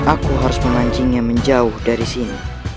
aku harus memancingnya menjauh dari sini